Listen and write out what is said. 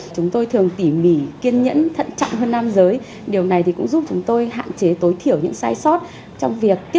chúng tôi thường tỉ mỉ kiên nhẫn thận trọng hơn nam giới điều này cũng giúp chúng tôi hạn chế tối thiểu những sai sót